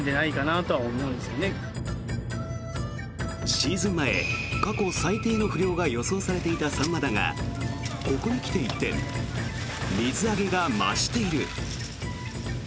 シーズン前、過去最低の不漁が予想されていたサンマだがここに来て一転水揚げが増している。